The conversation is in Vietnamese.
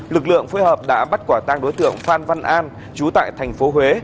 lực lượng phối hợp đã bắt quả tăng đối tượng phan văn an chú tại tp huế